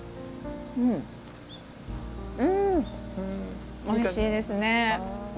うーん、おいしいですね。